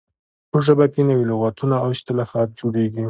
په ژبه کښي نوي لغاتونه او اصطلاحات جوړیږي.